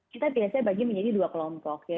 kita biasanya bagi menjadi dua kelompok ya